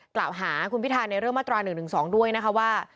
กล่าวหาคุณพิธาในเรื่องมาตรา๑๑๒ด้วยนะคะว่า